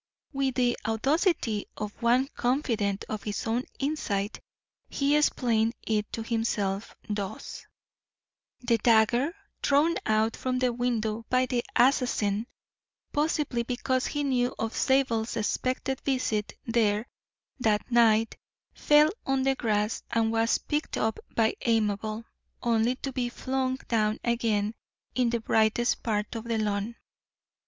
With the audacity of one confident of his own insight, he explained it to himself thus: The dagger thrown from the window by the assassin, possibly because he knew of Zabel's expected visit there that night, fell on the grass and was picked up by Amabel, only to be flung down again in the brightest part of the lawn.